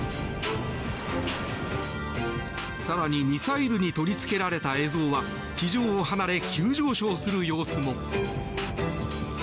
更にミサイルに取りつけられた映像は地上を離れ急上昇する様子も。